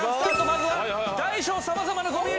まずは大小様々なゴミエリア。